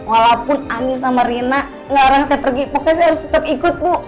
walaupun anu sama rina ngelarang saya pergi pokoknya saya harus tetap ikut bu